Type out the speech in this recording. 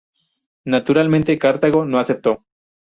Naturalmente, Cartago no aceptó.